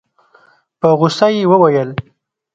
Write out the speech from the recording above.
په غوسه يې وويل.